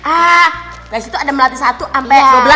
ah dari situ ada melati satu sampai dua belas gitu ya